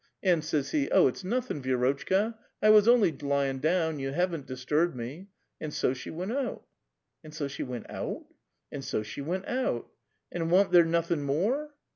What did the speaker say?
And says he, 'Oh, it's nothin', Vi6 rotchka ; I was only lyin' down, you haven't disturbed me.' And so \jnC\ she went out." " And so she went out?" " And HO she went out." "And wan't there nothin' more?"